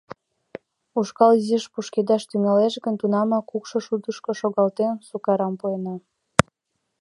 Ушкал изиш пушкедаш тӱҥалеш гын, тунамак кукшо шудышко шогалтена, сукарам пуэна.